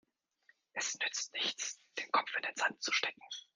Es nützt nichts, den Kopf in den Sand zu stecken.